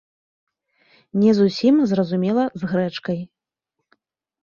Не зусім зразумела з грэчкай.